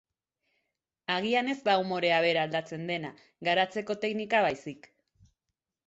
Agian ez da umorea bera aldatzen dena, garatzeko teknika baizik.